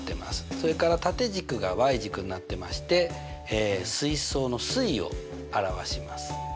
それから縦軸が軸になってまして水槽の水位を表します。